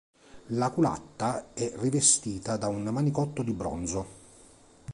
La culatta è rivestita da un manicotto di bronzo.